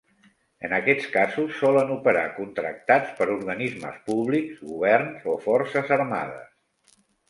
En aquests casos solen operar contractats per organismes públics, governs o forces armades.